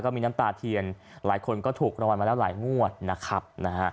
มีน้ำตาเทียนหลายคนก็ถูกรางวัลมาแล้วหลายงวดนะครับนะฮะ